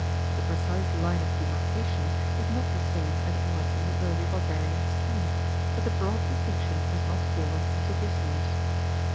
The precise line of demarcation is not the same as it was in the early barbarian scheme, but the broad distinction has not fallen into disuse.